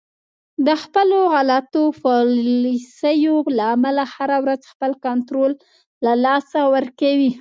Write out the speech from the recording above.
د خپلو غلطو پالیسیو له امله هر ورځ خپل کنترول د لاسه ورکوي